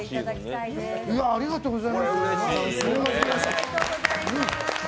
ありがとうございます。